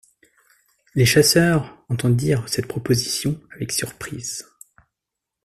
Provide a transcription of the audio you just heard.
Les chasseurs entendirent cette proposition avec surprise.